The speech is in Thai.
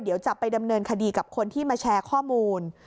เดี๋ยวจะไปดำเนินคดีกับคนที่มาแชร์ข้อมูล